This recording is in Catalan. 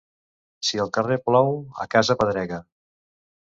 Si al carrer plou, a casa pedrega.